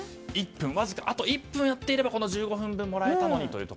あと１分やっていれば１５分分もらえたのにと。